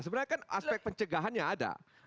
sebenarnya kan aspek pencegahannya ada